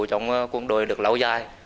cũng đôi được lâu dài